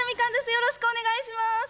よろしくお願いします。